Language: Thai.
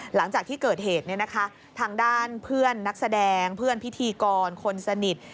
หลังจากที่เกิดเหตุทางด้านเพื่อนนักแสดงเพื่อนพิธีกรคนสนิท